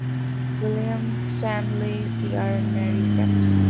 William Standley Cr) and "Mary" (Capt.